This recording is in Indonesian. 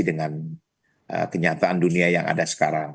dengan kenyataan dunia yang ada sekarang